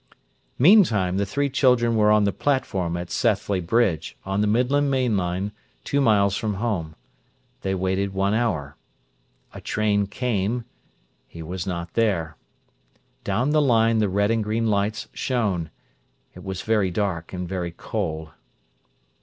Meantime the three children were on the platform at Sethley Bridge, on the Midland main line, two miles from home. They waited one hour. A train came—he was not there. Down the line the red and green lights shone. It was very dark and very cold.